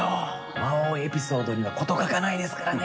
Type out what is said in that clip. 魔王エピソードには事欠かないですからね。